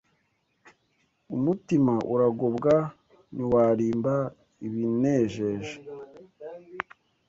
Umutima uragobwa ntiwarimba ibinejeje